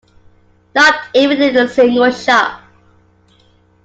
Not even in a single shot.